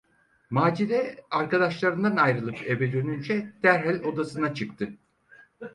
Macide arkadaşlarından ayrılıp eve dönünce derhal odasına çıktı.